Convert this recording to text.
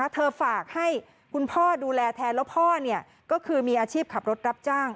ฝากให้คุณพ่อดูแลแทนแล้วพ่อก็คือมีอาชีพขับรถรับจ้าง